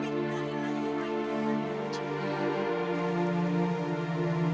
yuk berjaga jaga pesawat